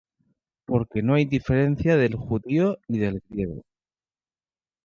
Porque no hay diferencia de Judío y de Griego: